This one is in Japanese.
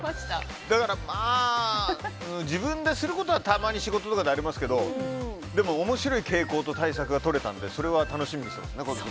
だから、自分ですることはたまに仕事とかではありますけど面白い傾向と対策がとれたので、それは楽しみにしています。